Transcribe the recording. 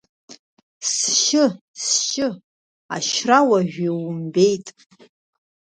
Сшьы, сшьы, ашьра уажәы иумбеит.